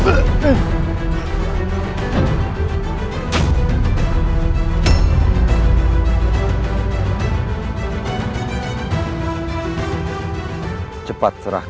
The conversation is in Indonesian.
aku tidak bisa mengingkari janjiku pada siliwangi